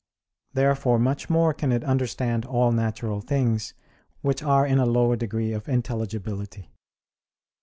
Therefore much more can it understand all natural things which are in a lower degree of intelligibility.